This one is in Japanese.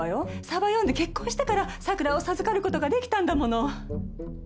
サバ読んで結婚したから桜を授かる事ができたんだもの。